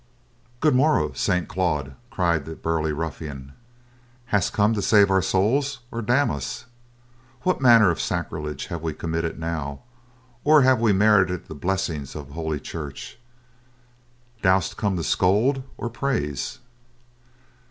"Good morrow, Saint Claude!" cried the burly ruffian. "Hast come to save our souls, or damn us? What manner of sacrilege have we committed now, or have we merited the blessings of Holy Church? Dost come to scold, or praise?"